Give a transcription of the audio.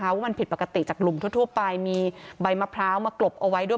เพราะว่ามันผิดปกติจากหลุมทั่วไปมีใบมะพร้าวมากลบเอาไว้ด้วย